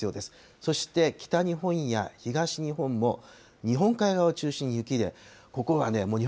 そして北日本や東日本も、日本海側を中心に雪で、ここはもう日本